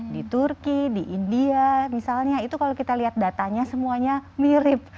di turki di india misalnya itu kalau kita lihat datanya semuanya mirip